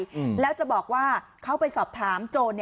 ชุดชะไนแล้วจะบอกว่าเข้าไปสอบถามโจร